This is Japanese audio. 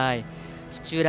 土浦